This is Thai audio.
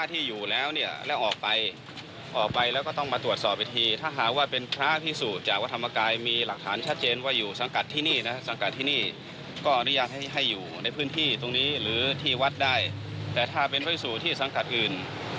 ถ้าเป็นเวสุทธิสังกัดอื่น